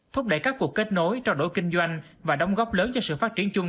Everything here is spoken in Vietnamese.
thúc đẩy các cuộc kết nối trao đổi kinh doanh và đóng góp lớn cho sự phát triển chung